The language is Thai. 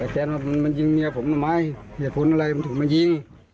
แกนมันยิงเมียผมไหมเปรียบคุณอะไรมันถึงมายิง